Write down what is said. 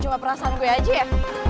cuma perasaan gue aja ya